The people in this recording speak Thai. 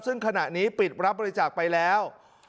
ซึ่งขณะนี้ปิดรับบริจาคไปแล้ว